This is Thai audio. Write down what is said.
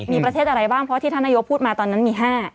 มีประเทศอะไรบ้างเพราะที่ท่านนายกพูดมาตอนนั้นมี๕